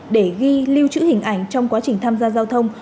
để ghi lưu trữ hình ảnh trong quá trình tham gia giao thông